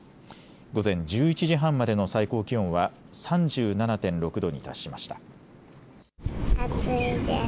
午前１１時半までの最高気温は３７．６度に達しました。